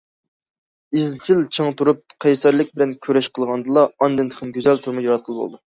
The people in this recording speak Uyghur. ئىزچىل چىڭ تۇرۇپ، قەيسەرلىك بىلەن كۈرەش قىلغاندىلا، ئاندىن تېخىمۇ گۈزەل تۇرمۇش ياراتقىلى بولىدۇ.